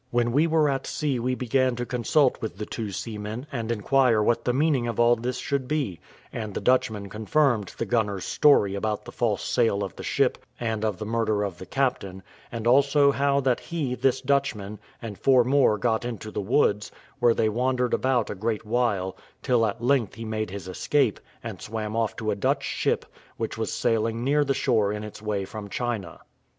When we were at sea we began to consult with the two seamen, and inquire what the meaning of all this should be; and the Dutchman confirmed the gunner's story about the false sale of the ship and of the murder of the captain, and also how that he, this Dutchman, and four more got into the woods, where they wandered about a great while, till at length he made his escape, and swam off to a Dutch ship, which was sailing near the shore in its way from China.